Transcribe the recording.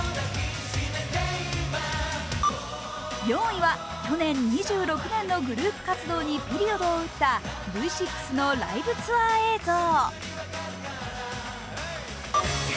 ４位は去年２６年のグループ活動にピリオドを打ったＶ６のライブツアー映像。